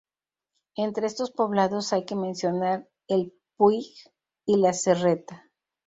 Entre estos poblados hay que mencionar: el "Puig" y la "Serreta".